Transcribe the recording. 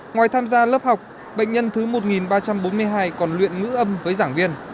ngoài tham gia lớp học bệnh nhân thứ một ba trăm bốn mươi hai còn luyện ngữ âm với giảng viên